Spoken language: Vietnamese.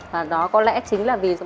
và đó có lẽ chính là vì